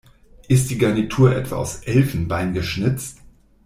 Ist die Garnitur etwa aus Elfenbein geschnitzt?